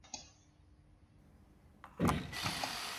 La Jagua